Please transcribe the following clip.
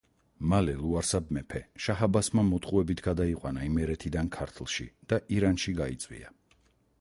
მალე ლუარსაბ მეფე შაჰ-აბასმა მოტყუებით გადაიყვანა იმერეთიდან ქართლში და ირანში გაიწვია.